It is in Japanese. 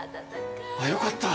よかった。